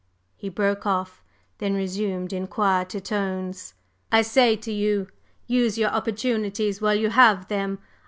…" He broke off, then resumed in quieter tones: "I say to you: Use your opportunities while you have them.